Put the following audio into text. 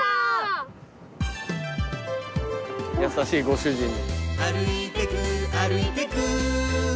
優しいご主人で。